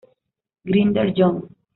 Grinder, John.